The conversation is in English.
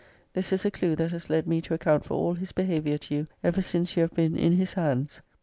This is a clue that has led me to account for all his behaviour to you ever since you have been in his hands.